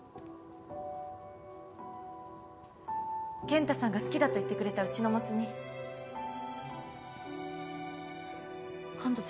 健太さんが好きだと言ってくれたうちのもつ煮今度